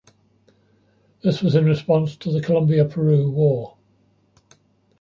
This was in response to the Colombia-Peru War.